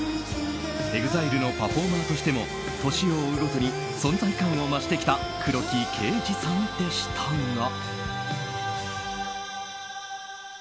ＥＸＩＬＥのパフォーマーとしても年を追うごとに存在感を増してきた黒木啓司さんでしたが。